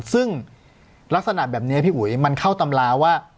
ซึ่งลักษณะแบบนี้พี่อุ๋ยมันเข้าตำราว่า